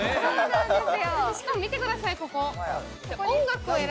しかも見てください